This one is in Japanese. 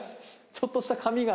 ちょっとした紙が。